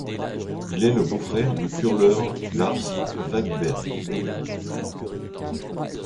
Il est le beau-frère du curleur Lars Vågberg.